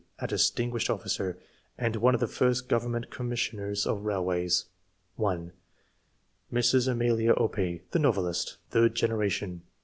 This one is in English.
a distinguished officer, and one of the first govern ment commissioners of railways ; {1) Mrs. Amelia Opie, the novelist. Third generation.